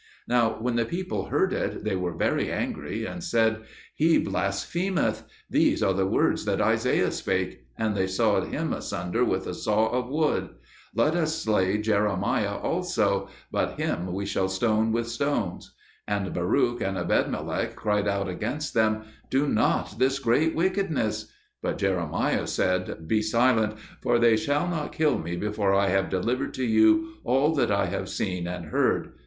Now when the people heard it they were very angry and said, "He blasphemeth. These are the words that Isaiah spake, and they sawed him asunder with a saw of wood. Let us slay Jeremiah also, but him we will stone with stones." And Baruch and Ebedmelech cried out against them, "Do not this great wickedness!" But Jeremiah said, "Be silent, for they shall not kill me before I have delivered to you all that I have seen and heard.